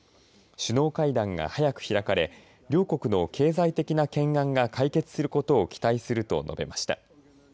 首脳会談が早く開かれ、両国の経済的な懸案が解決することを期待すると述べました。